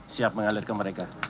siap mengalir ke mereka